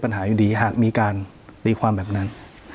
ปัญหาอยู่ดีหากมีการตีความแบบนั้น